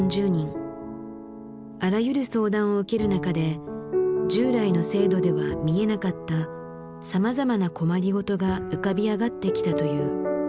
あらゆる相談を受ける中で従来の制度では見えなかったさまざまな困りごとが浮かび上がってきたという。